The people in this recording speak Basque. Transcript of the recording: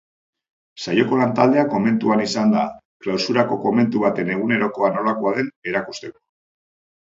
Saioko lantaldea komentuan izan da, klausurako komentu baten egunerokoa nolakoa den erakusteko.